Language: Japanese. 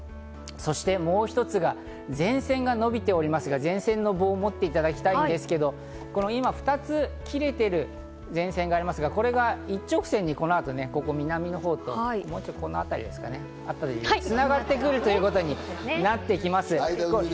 そしてもう一つが前線が伸びておりますが、前線の棒を持っていただきたいんですが、今２つ切れている前線がありますが、これが一直線にこの後、南のほうともっとこの辺りですかね、繋がってくるということになってきます。